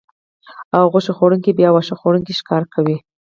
او غوښه خوړونکي بیا واښه خوړونکي ښکار کوي